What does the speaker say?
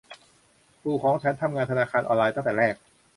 ปู่ของฉันทำงานธนาคารออนไลน์ตั้งแต่แรก